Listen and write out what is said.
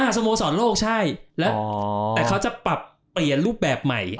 สโมสรโลกใช่แล้วแต่เขาจะปรับเปลี่ยนรูปแบบใหม่